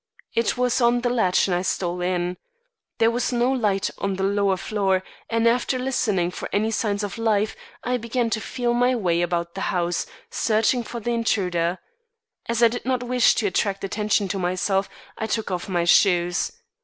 It was on the latch and I stole in. There was no light on the lower floor, and after listening for any signs of life, I began to feel my way about the house, searching for the intruder. As I did not wish to attract attention to myself, I took off my shoes.